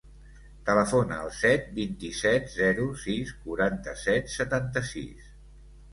Telefona al set, vint-i-set, zero, sis, quaranta-set, setanta-sis.